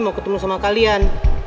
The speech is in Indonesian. mau ketemu sama kalian